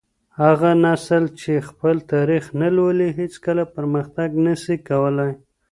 هغه نسل چي خپل تاريخ نه لولي هيڅکله پرمختګ نسي کولای.